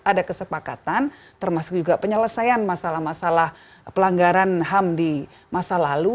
ada kesepakatan termasuk juga penyelesaian masalah masalah pelanggaran ham di masa lalu